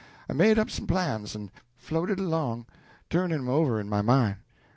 I made up some plans, en floated along, turnin' 'em over in my mine.